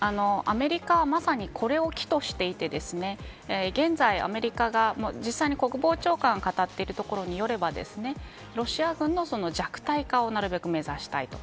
アメリカは、まさにこれを機としていて現在アメリカが、実際に国防長官が語っているところによればロシア軍の弱体化をなるべく目指したいと。